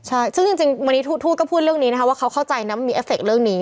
ใช่ซึ่งจริงวันนี้ทูตก็พูดเรื่องนี้นะคะว่าเขาเข้าใจนะมันมีเอฟเคเรื่องนี้